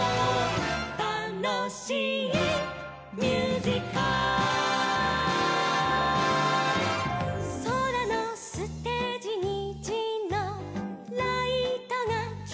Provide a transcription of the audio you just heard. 「たのしいミュージカル」「そらのステージにじのライトがきらりん」